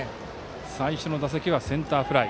最初の打席はセンターフライ。